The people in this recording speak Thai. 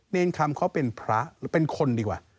เนรนคลัมเขาเป็นพระเป็นคนดีกว่า